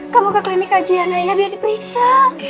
kamu ke klinik kajian aja biar diperiksa